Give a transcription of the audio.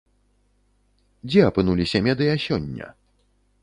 Дзе апынуліся медыя сёння?